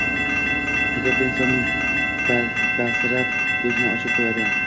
Iste’dodli insonning basirat ko‘zini ochib qo‘yadi.